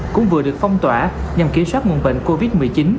cũng vừa được phong tỏa nhằm kiểm soát nguồn bệnh covid một mươi chín